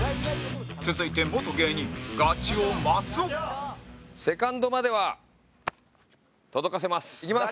続いて、元芸人ガチ王、松尾セカンドまでは届かせます。